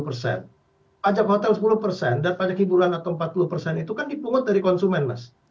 pajak hotel sepuluh dan pajak hiburan atau empat puluh itu kan dipungut dari konsumen mas